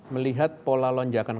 melihat pola lonjakan